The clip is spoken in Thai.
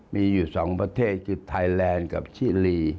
มีอยู่๒ประเทศคือไทยแลนด์กับชิลี